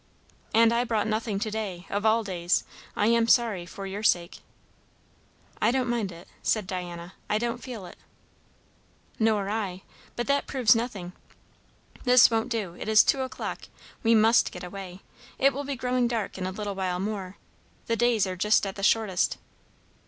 "And I brought nothing to day, of all days. I am sorry, for your sake." "I don't mind it," said Diana. "I don't feel it." "Nor I, but that proves nothing. This won't do. It is two o'clock. We must get away. It will be growing dark in a little while more. The days are just at the shortest."